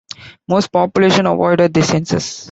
Most population avoided the census.